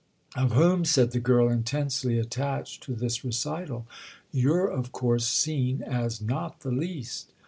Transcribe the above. "Of whom," said the girl, intensely attached to this recital, "you're of course seen as not the least."